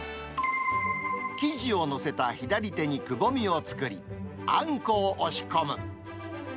生地を載せた左手にくぼみを作り、あんこを押し込む。